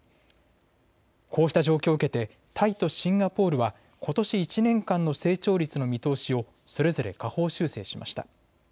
こうした状況を受けてタイとシンガポールはことし１年間の成長率の見通しをそれぞれ下方修正しました。